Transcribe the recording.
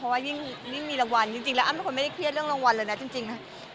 ก็กดดันนะเพราะว่ายิ่งมีรางวัลจริงแล้วอั้มเป็นคนไม่เครียดเรื่องรางวัลเลยนะจริง